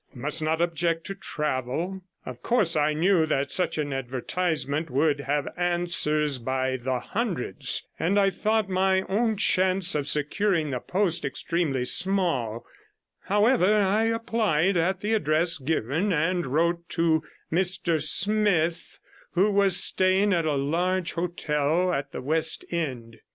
Must not object to travel.' Of course I knew that such an advertisement would have answers by the hundred, and I thought my own chances of securing the post extremely small; however, I applied at the address given, and wrote to Mr Smith, who was staying at a large hotel at the West End.